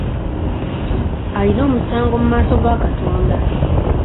Alina omusango mu maaso ga katonda.